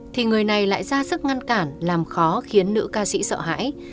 thì người này lại ra sức ngăn cản làm khó khiến nữ ca sĩ sợ hãi